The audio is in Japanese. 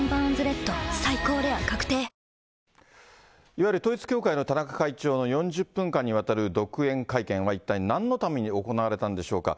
いわゆる統一教会の田中会長の４０分間にわたる独演会見は、一体なんのために行われたんでしょうか。